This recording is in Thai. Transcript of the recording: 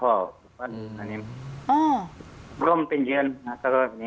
อ่อเริ่มเป็นเยื่อนแล้วทำลายพวกนี้